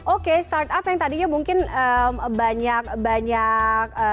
oke start up yang tadinya mungkin banyak banyak